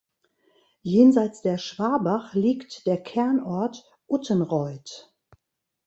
Jenseits der Schwabach liegt der Kernort Uttenreuth.